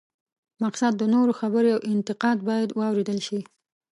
مقصد د نورو خبرې او انتقاد باید واورېدل شي.